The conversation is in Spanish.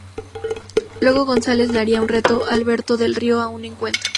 Luego González le haría un reto Alberto Del Rio a un encuentro.